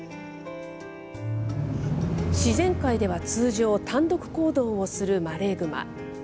自然界では通常、単独行動をするマレーグマ。